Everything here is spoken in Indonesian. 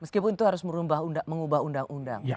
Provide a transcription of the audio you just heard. meskipun itu harus mengubah undang undang